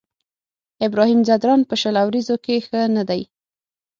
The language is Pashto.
ابراهيم ځدراڼ په شل اوريزو کې ښه نه دی.